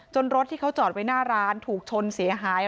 รถที่เขาจอดไว้หน้าร้านถูกชนเสียหาย